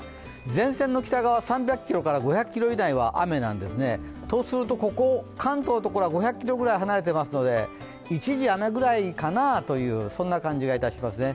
前線の北側３００５００ｋｍ以内は雨なんですね。とすると、関東のところは５００ｋｍぐらい離れていますので一時雨ぐらいかなという感じがいたしますね。